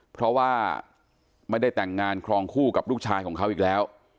เพราะว่าไม่ได้แต่งงานครองคู่กับลูกชายของเขาอีกแล้ว